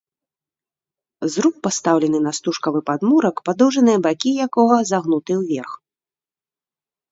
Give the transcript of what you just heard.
Зруб пастаўлены на стужкавы падмурак, падоўжныя бакі якога загнуты ўверх.